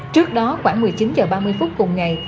trước đó khoảng một mươi chín h ba mươi phút cùng ngày